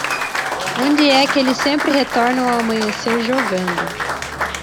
Onde é que eles sempre retornam ao amanhecer jogando